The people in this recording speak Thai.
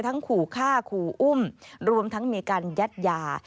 ขู่ฆ่าขู่อุ้มรวมทั้งมีการยัดยา